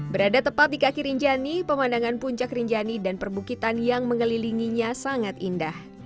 berada tepat di kaki rinjani pemandangan puncak rinjani dan perbukitan yang mengelilinginya sangat indah